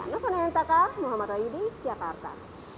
nufun hentaka muhammad layudi jakarta